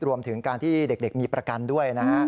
รวมถึงการที่เด็กมีประกันด้วยนะฮะ